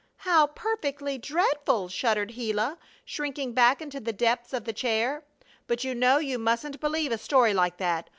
"How perfectly dreadful!" shuddered Gila, shrinking back into the depths of the chair. "But you know you mustn't believe a story like that!